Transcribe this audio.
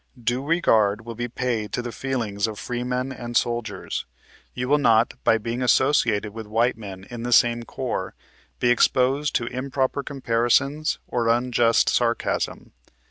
" Due regard will be paid to the feelings of freemen and soldiers. You 8 will not, by being associated with white men in the same corps, be ex posed to improper comparisons or unjust sarcasm.